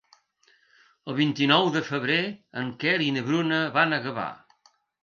El vint-i-nou de febrer en Quer i na Bruna van a Gavà.